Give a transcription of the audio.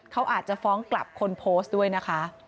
เขาอาจจะฟ้องกลับคนโพสต์ด้วยนะคะ